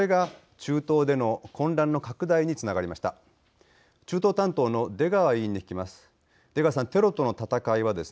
中東担当の出川委員に聞きます。